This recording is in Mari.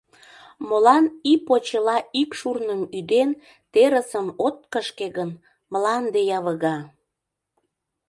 Молан, ий почела ик шурным ӱден, терысым от кышке гын, мланде явыга?